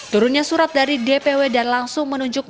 turunnya surat dari dpw dan langsung menunjuk